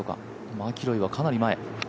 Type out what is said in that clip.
マキロイはかなり前。